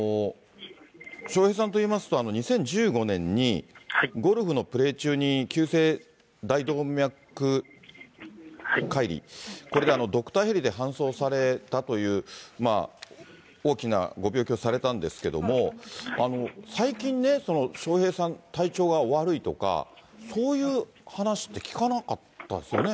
笑瓶さんといいますと、２０１５年に、ゴルフのプレー中に急性大動脈解離、これでドクターヘリで搬送されたという、大きなご病気をされたんですけれども、最近ね、笑瓶さん、体調がお悪いとか、そういう話って聞かなかったですよね。